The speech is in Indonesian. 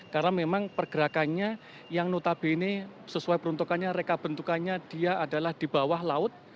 karena memang pergerakannya yang notabene sesuai peruntukannya rekabentukannya dia adalah di bawah laut